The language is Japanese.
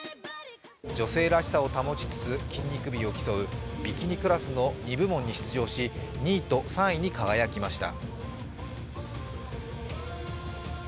女性らしさを保ちつつ筋肉美を競うビキニクラスの２部門に出場し、２位と３位に輝きました。